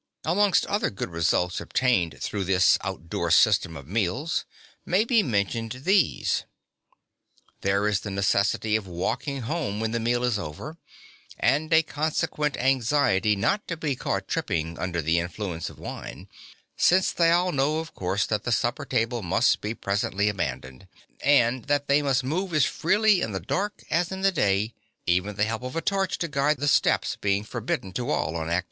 Amongst other good results obtained through this out door system of meals may be mentioned these: There is the necessity of walking home when the meal is over, and a consequent anxiety not to be caught tripping under the influence of wine, since they all know of course that the supper table must be presently abandoned, (10) and that they must move as freely in the dark as in the day, even the help of a torch (11) to guide the steps being forbidden to all on active service.